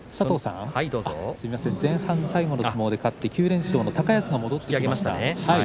前半最後の相撲で勝って９連勝の高安が戻ってきました。